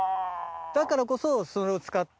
だからこそそれを使って。